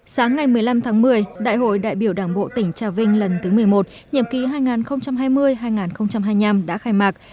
sáng ngày một mươi năm tháng một mươi đại hội đại biểu đảng bộ tỉnh trà vinh lần thứ một mươi một nhiệm ký hai nghìn hai mươi hai nghìn hai mươi năm đã khai mạc